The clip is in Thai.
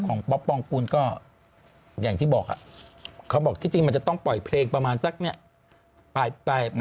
ป๊อปปองกูลก็อย่างที่บอกอ่ะเขาบอกที่จริงมันจะต้องปล่อยเพลงประมาณสักเนี่ย